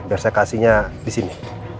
biar saya kasihnya disini